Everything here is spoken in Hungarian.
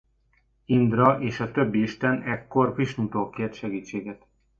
Indra és a többi isten ekkor Visnutól kért segítséget.